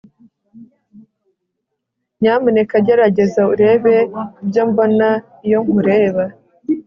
Nyamuneka gerageza urebe ibyo mbona iyo nkureba